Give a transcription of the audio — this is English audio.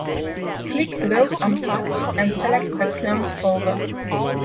Click Load unpacked, and select the cloned folder